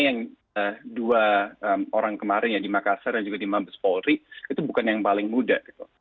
yang dua orang kemarin ya di makassar dan juga di mabes polri itu bukan yang paling muda